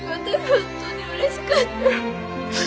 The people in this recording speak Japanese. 本当にうれしくって。